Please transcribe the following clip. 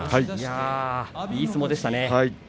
いい相撲でしたね。